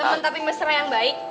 temen tapi mesra yang baik